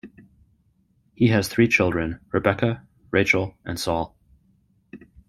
He has three children: Rebecca, Rachael and Saul.